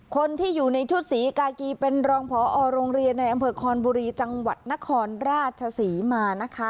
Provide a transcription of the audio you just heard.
คนที่อยู่ในชุดศรีกากีเป็นรองพอโรงเรียนในอำเภอคอนบุรีจังหวัดนครราชศรีมานะคะ